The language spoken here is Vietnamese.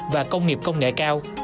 và công nghiệp công nghệ cao